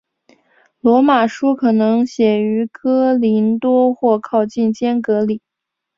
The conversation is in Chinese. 罗马书可能写于哥林多或靠近坚革哩。